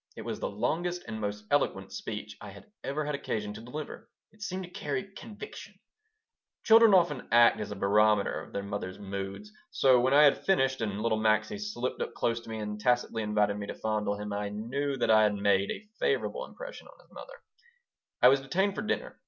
It was the longest and most eloquent speech I had ever had occasion to deliver. It seemed to carry conviction Children often act as a barometer of their mother's moods. So when I had finished and little Maxie slipped up close to me and tactily invited me to fondle him I knew that I had made a favorable impression on his mother I was detained for dinner.